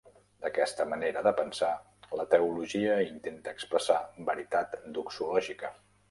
D'aquesta manera de pensar, la teologia intenta expressar veritat doxològica.